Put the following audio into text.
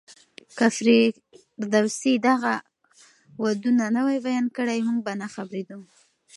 که فردوسي دغه ودونه نه وای بيان کړي، موږ به نه خبرېدو.